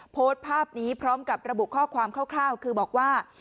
โพสต์ภาพนี้พร้อมกับระบุข้อความคร่าวคือบอกว่า